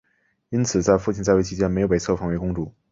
因此在父亲在位期间没有被册封为公主。